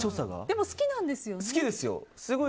でも好きなんですよね？